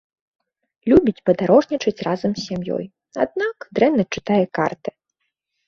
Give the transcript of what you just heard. Любіць падарожнічаць разам з сям'ёй, аднак дрэнна чытае карты.